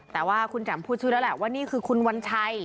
แต่ว่าคุณแจ่มพูดชื่อแล้วแหละว่านี่คือคุณวัญชัย